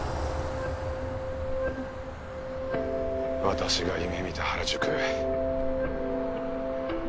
私が夢見た原宿。